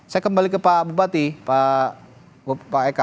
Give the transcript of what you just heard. saya kembali ke pak bupati pak eka